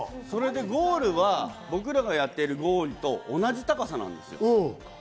ゴールは僕らがやってる高さと同じ高さなんですよ。